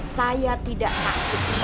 saya tidak nakut